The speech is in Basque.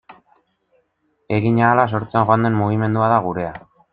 Egin ahala sortzen joan den mugimendua da gurea.